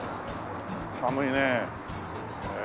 寒いねえ。